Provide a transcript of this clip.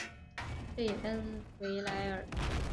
贝恩维莱尔。